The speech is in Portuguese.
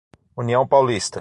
União Paulista